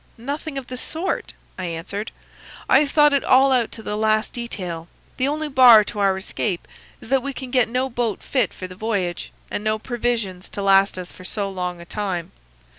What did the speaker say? "'Nothing of the sort,' I answered. 'I have thought it all out to the last detail. The only bar to our escape is that we can get no boat fit for the voyage, and no provisions to last us for so long a time.